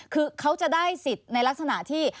คือเขาจะได้สิทธิ์ในลักษณะที่